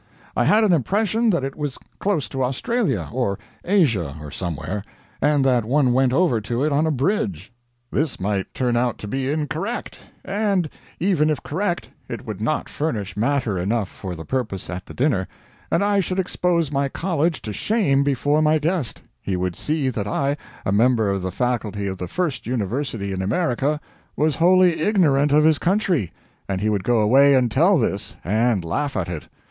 I had an impression that it was close to Australia, or Asia, or somewhere, and that one went over to it on a bridge. This might turn out to be incorrect; and even if correct, it would not furnish matter enough for the purpose at the dinner, and I should expose my College to shame before my guest; he would see that I, a member of the Faculty of the first University in America, was wholly ignorant of his country, and he would go away and tell this, and laugh at it.